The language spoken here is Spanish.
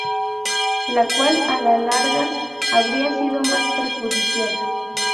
La cual a la larga habría sido más perjudicial.